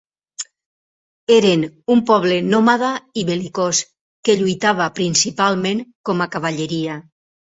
Eren un poble nòmada i bel·licós que lluitava principalment com a cavalleria.